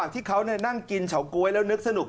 นี่แหละครับ